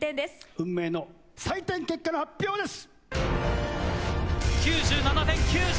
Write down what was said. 運命の採点結果の発表です！